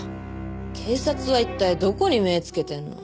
警察は一体どこに目つけてんの？